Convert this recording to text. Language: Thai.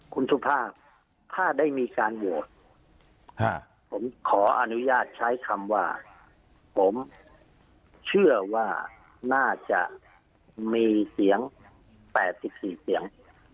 คุณสุภาพถ้าได้มีการโหวตผมขออนุญาตใช้คำว่าผมเชื่อว่าน่าจะมีเสียง๘๔เสียง